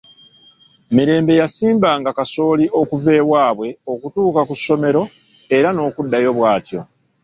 Mirembe yasimbanga kasooli okuva ewaabwe okutuuka ku ssomero era n'okuddayo bw'atyo.